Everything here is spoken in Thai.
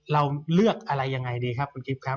เราเลือกอะไรยังไงดีครับคุณกิฟต์ครับ